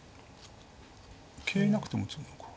桂なくても詰むのか。